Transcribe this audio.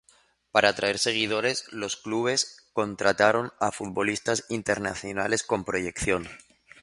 Para atraer seguidores, los clubes contrataron a futbolistas internacionales con proyección.